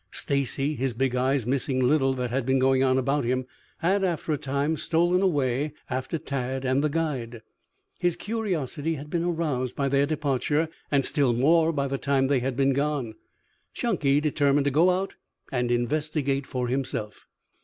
Stacy, his big eyes missing little that had been going on about him, had after a time stolen away after Tad and the guide. His curiosity had been aroused by their departure and still more by the time they had been gone. Chunky determined to go out and investigate for himself.